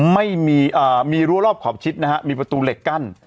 ไม่มีมีรั้วรอบขอบชิดนะฮะมีประตูเหล็กกั้น